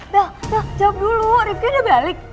bel bel jawab dulu rifqin udah balik